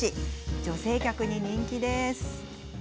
女性客に人気です。